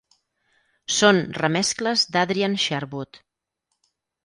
Són remescles d'Adrian Sherwood.